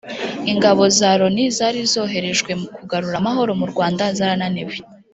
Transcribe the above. Ingabo za Loni zari zoherejwe kugarura amahoro mu Rwanda zarananiwe